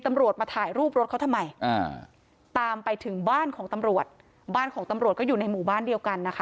ตำรวจมาถ่ายรูปรถเขาทำไมอ่าตามไปถึงบ้านของตำรวจบ้านของตำรวจก็อยู่ในหมู่บ้านเดียวกันนะคะ